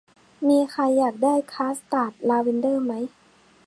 มีใครอยากได้คัสตาร์ดลาเวนเดอร์ไหม